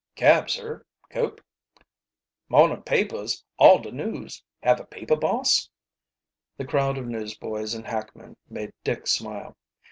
"Cab, sir; coupe?" "Mornin' papers! All de news! Have a paper, boss?" The crowd of newsboys and hackmen made Dick smile.